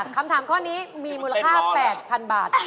คำถามข้อนี้มีมูลค่า๘๐๐๐บาท